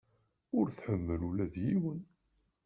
Ur tḥemmel ula d yiwen.